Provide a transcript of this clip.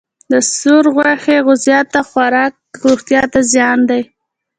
د سور غوښې زیات خوراک روغتیا ته زیانمن دی.